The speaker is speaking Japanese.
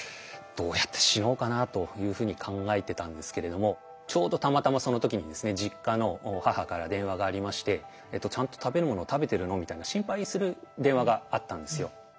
どうやって死のうかなあというふうに考えてたんですけれどもちょうどたまたまその時にですね実家の母から電話がありましてちゃんと食べるもの食べてるの？みたいな心配する電話があったんですよ。